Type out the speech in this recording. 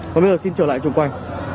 và bây giờ xin trở lại trường quan